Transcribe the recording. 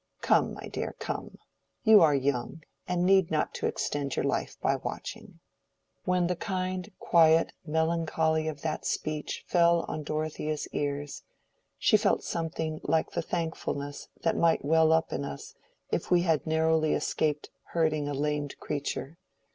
"Come, my dear, come. You are young, and need not to extend your life by watching." When the kind quiet melancholy of that speech fell on Dorothea's ears, she felt something like the thankfulness that might well up in us if we had narrowly escaped hurting a lamed creature.